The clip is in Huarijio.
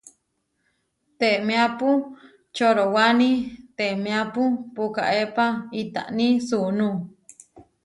Temeápu corowáni temeápu pukaépa itáni sunú.